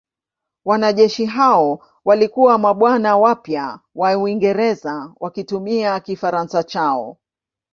Wanajeshi hao walikuwa mabwana wapya wa Uingereza wakitumia Kifaransa chao.